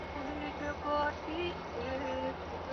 对面为台大医院与台大医学院。